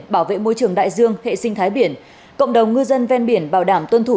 bảo vệ môi trường đại dương hệ sinh thái biển cộng đồng ngư dân ven biển bảo đảm tuân thủ